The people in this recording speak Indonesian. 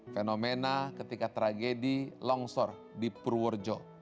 fenomena ketika tragedi longsor di purworejo